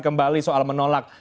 kembali soal menolak